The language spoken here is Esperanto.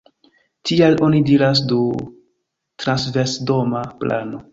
Tial oni diras „du-transversdoma plano“.